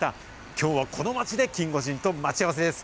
きょうはこの街でキンゴジンと待ち合わせです。